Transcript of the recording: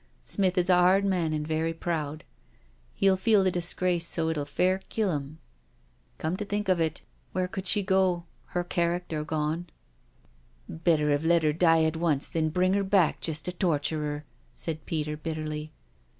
Smith is a hard man and very proud. He'll feel the disgrace so it'll fair kill 'im. Come to think of it, where could she go— her character gone I" " Better 'ave let 'er die at once than bring 'er back just to torture 'er," said Peter bitterly.